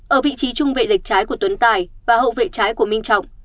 ở vị trí trung vệ lệch trái của tuấn tài và hậu vệ trái của minh trọng